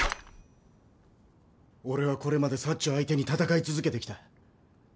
俺はこれまで長相手に戦い続けてきた！